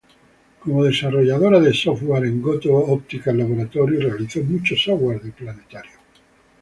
Como desarrolladora de software en Goto Optical Laboratory, realizó mucho software de planetario.